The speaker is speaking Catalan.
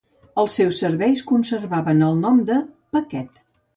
Els seus serveis conservaven el nom de "paquet".